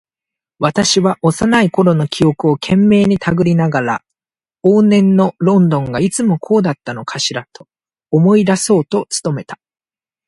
彼は幼いころの記憶を懸命にたぐりながら、往年のロンドンがいつもこうだったのかしらと思い出そうと努めた。